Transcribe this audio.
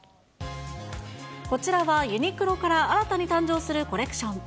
こちらは、ユニクロから新たに誕生するコレクション。